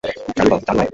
চালু হ, চালু হ!